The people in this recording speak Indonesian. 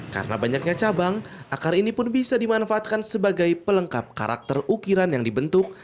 karena banyaknya cabang akar ini pun bisa dimanfaatkan sebagai pelengkap karakter ukiran yang dibentuk